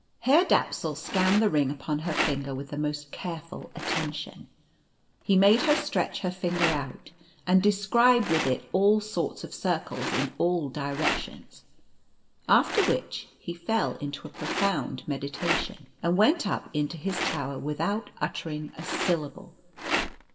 Herr Dapsul scanned the ring upon her finger with the most careful attention. He made her stretch her finger out, and describe with it all sorts of circles in all directions. After which he fell into a profound meditation, and went up into his tower without uttering a syllable.